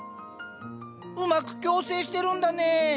うまく共生してるんだね。